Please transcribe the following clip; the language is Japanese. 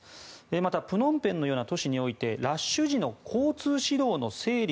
またプノンペンのような都市においてラッシュ時の交通指導の整理